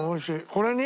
これに？